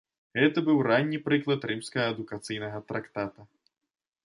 Гэта быў ранні прыклад рымскага адукацыйнага трактата.